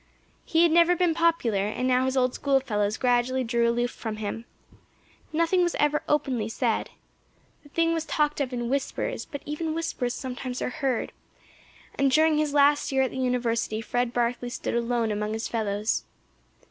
He had never been popular, and now his old schoolfellows gradually drew aloof from him. Nothing was ever openly said. The thing was talked of in whispers, but even whispers, sometimes, are heard; and during his last year at the University Fred Barkley stood alone among his fellows.